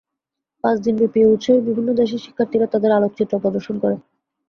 পাঁচ দিনব্যাপী এ উৎসবে বিভিন্ন দেশের শিক্ষার্থীরা তাদের আলোকচিত্র প্রদর্শন করে।